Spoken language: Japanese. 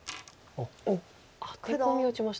おっアテコミを打ちました。